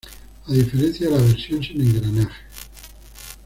A diferencia de la versión sin engranajes.